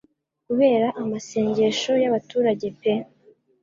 kubera amasengesho y'abaturage pe